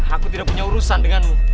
aku tidak punya urusan denganmu